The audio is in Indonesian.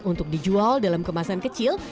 untuk dijual dalam kemasan kecil